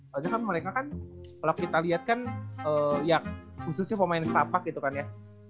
karena kan mereka kan kalau kita lihat kan khususnya pemain stapak gitu kan ya